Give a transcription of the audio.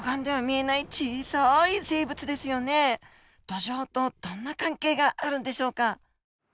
土壌とどんな関係があるんでしょうか？